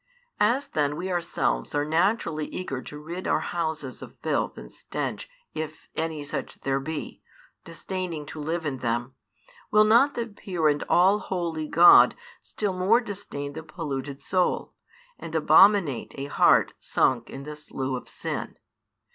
As then we ourselves are naturally eager to rid our houses of filth and stench if any such there be, disdaining to live in them, will not the pure and all holy God still more disdain the polluted soul, and abominate a heart sunk in the slough of sin?